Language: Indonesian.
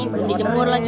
bundi jemur lagi